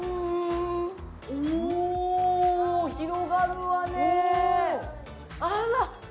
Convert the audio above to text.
広がるわね。